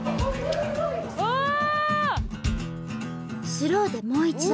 スローでもう一度。